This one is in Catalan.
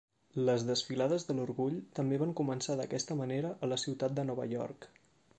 Les desfilades de l'Orgull també van començar d'aquesta manera a la ciutat de Nova York.